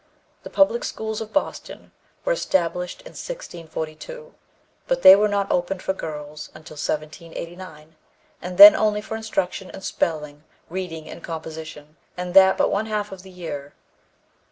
The public schools of Boston were established in 1642, but were not opened for girls until 1789; and then only for instruction in spelling, reading and composition, and that but one half of the year.